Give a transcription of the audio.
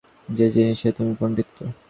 যে জিনিসে তুমি পণ্ডিত।